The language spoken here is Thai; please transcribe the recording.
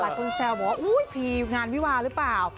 คนแซวบอกว่าอุ๊ยพีงานวิวาหรือเปล่า